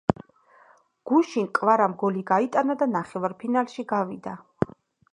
გუშინ კვარამ გოლი გაიტანა და ნახევარფინალში გავიდა